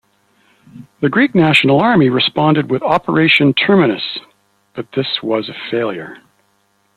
The Greek National Army responded with Operation Terminus, but this was a failure.